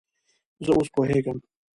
زه اوس پوهیږم